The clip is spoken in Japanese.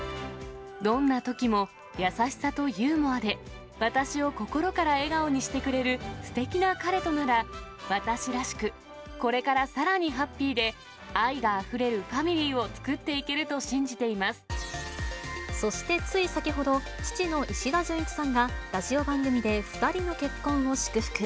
どんなときも優しさとユーモアで、私を心から笑顔にしてくれるすてきな彼となら、私らしくこれからさらにハッピーで、愛があふれるファミリーを作っていけるそしてつい先ほど、父の石田純一さんがラジオ番組で２人の結婚を祝福。